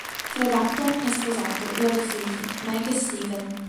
Fred Upton è sposato e ha due figli, Meg e Stephen.